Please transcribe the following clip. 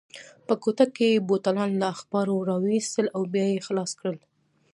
په کوټه کې یې بوتلان له اخبارو راوایستل او بیا یې خلاص کړل.